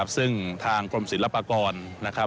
ซึ่งทางกรมศิลปากรนะครับ